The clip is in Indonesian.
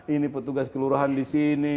ini petugas kelurahan disini